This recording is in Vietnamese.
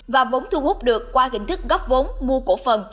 và vốn thu hút được qua hình thức góp vốn mua cổ phần